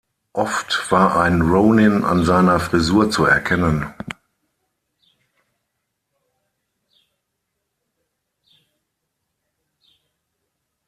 Oft war ein "Rōnin" an seiner Frisur zu erkennen.